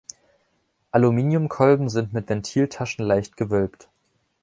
Aluminiumkolben sind mit Ventiltaschen leicht gewölbt.